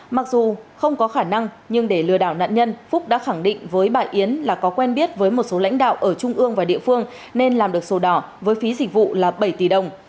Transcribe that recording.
mặc dù không có khả năng nhưng để lừa đảo nạn nhân phúc đã khẳng định với bà yến là có quen biết với một số lãnh đạo ở trung ương và địa phương nên làm được sổ đỏ với phí dịch vụ là bảy tỷ đồng